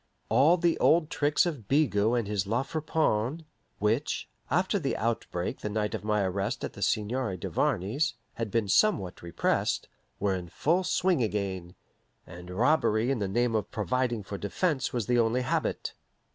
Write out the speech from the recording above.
All the old tricks of Bigot and his La Friponne, which, after the outbreak the night of my arrest at the Seigneur Duvarney's, had been somewhat repressed, were in full swing again, and robbery in the name of providing for defense was the only habit.